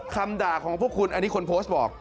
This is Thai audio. คำด่าของพวกคุณอันนี้คนโพสต์บอก